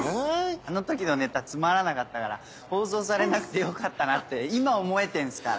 あの時のネタつまらなかったから放送されなくてよかったなって今思えてんすから。